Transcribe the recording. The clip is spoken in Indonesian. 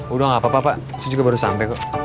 udah gak apa apa pak saya juga baru sampai kok